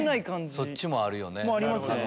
そっちもあるよね。